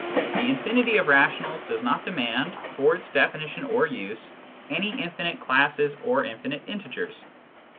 The in finity of rationals does not demand, for its definition or use, any infinite classes or infinite integers.